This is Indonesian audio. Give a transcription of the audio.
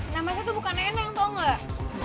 namanya tuh bukan neneng tau gak